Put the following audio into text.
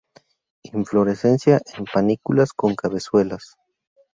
Inflorescencia en panículas con cabezuelas.